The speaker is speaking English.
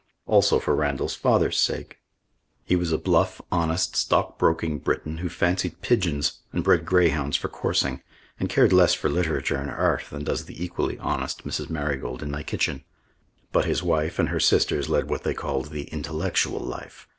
Also for Randall's father's sake. He was a bluff, honest, stock broking Briton who fancied pigeons and bred greyhounds for coursing, and cared less for literature and art than does the equally honest Mrs. Marigold in my kitchen. But his wife and her sisters led what they called the intellectual life.